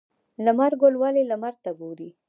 لمر ګل ولې لمر ته ګوري؟